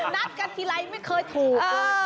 นัดกันทีไรไม่เคยถูก